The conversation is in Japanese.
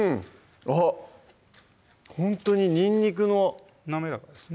あっほんとににんにくの滑らかですね